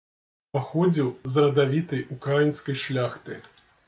Паходзіў з радавітай украінскай шляхты.